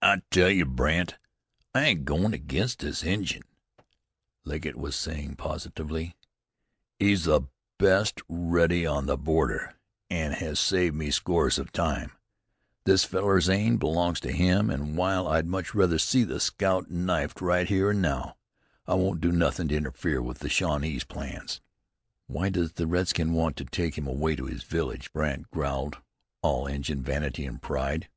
"I tell ye, Brandt, I ain't agoin' against this Injun," Legget was saying positively. "He's the best reddy on the border, an' has saved me scores of times. This fellar Zane belongs to him, an' while I'd much rather see the scout knifed right here an' now, I won't do nothin' to interfere with the Shawnee's plans." "Why does the redskin want to take him away to his village?" Brandt growled. "All Injun vanity and pride."